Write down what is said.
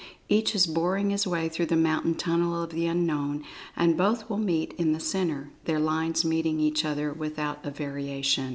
Each is boring his way through the mountain tunnel of the Unknown, and both will meet in the centre, their lines meeting each other without a variation.